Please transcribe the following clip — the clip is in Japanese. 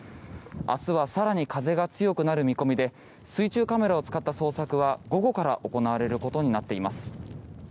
明日は更に風が強くなる見込みで水中カメラを使った捜索は午後から行われることになっています。